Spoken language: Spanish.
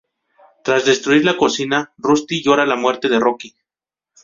Tras destruir la cocina, Rusty llora la muerte de Rocky.